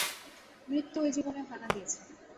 মৃত্যু ঐ জীবনেও হানা দিয়েছে।